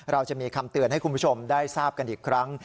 เราจะมีคำเตือนให้คุณผู้ชมได้ทราบกันอีกครั้ง